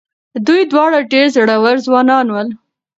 دوی دواړه ډېر زړور ځوانان ول.